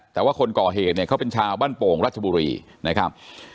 แต่ว่าคนก่อเหตุเนี่ยเขาเป็นชาวบ้านโป่งรัชบุรีนะครับ